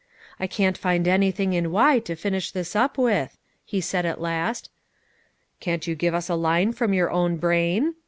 "I can't find anything in Y to finish this up with," he said at last. "Can't you give us a line from your own brain?"